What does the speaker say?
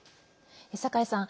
酒井さん